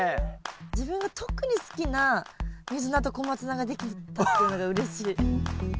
自分が特に好きなミズナとコマツナができたっていうのがうれしい。